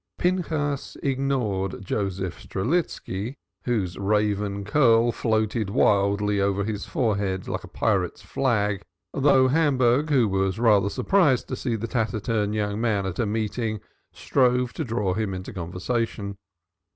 Pinchas ignored Joseph Strelitski whose raven curl floated wildly over his forehead like a pirate's flag, though Hamburg, who was rather surprised to see the taciturn young man at a meeting, strove to draw him into conversation.